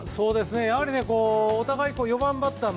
やはり、お互い４番バッター